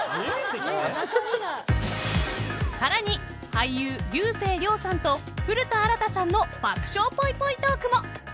［さらに俳優竜星涼さんと古田新太さんの爆笑ぽいぽいトークも。